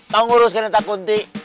tak nguruskan entah kunti